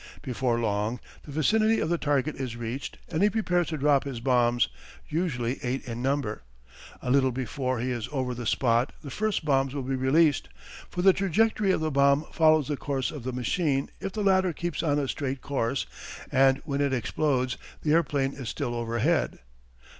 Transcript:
Before long the vicinity of the target is reached and he prepares to drop his bombs, usually eight in number. A little before he is over the spot the first bombs will be released, for the trajectory of the bomb follows the course of the machine if the latter keeps on a straight course and when it explodes the airplane is still overhead.